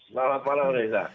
selamat malam reza